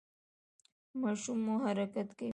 ماشوم مو حرکت کوي؟